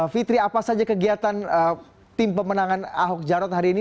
fitri apa saja kegiatan tim pemenangan ahok jarot hari ini